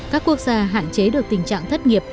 các quốc gia hạn chế được tình trạng thất nghiệp